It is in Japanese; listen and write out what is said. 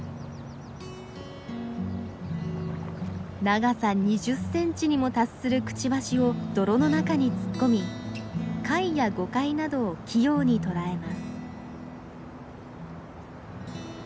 長さ２０センチにも達するくちばしを泥の中に突っ込み貝やゴカイなどを器用に捕らえます。